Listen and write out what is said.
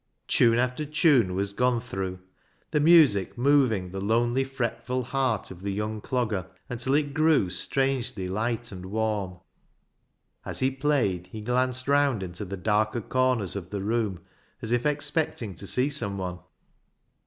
Tune after tune was gone through, the music moving the lonely, fretful heart of the young dogger, until it grew strangely light and warm. As he played, he glanced round into the darker corners of the room as if expecting to see someone.